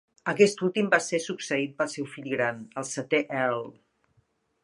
Aquest últim va ser succeït pel seu fill gran, el setè Earl.